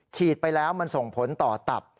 ฉีดไปแล้วมันส่งผลต่อตับ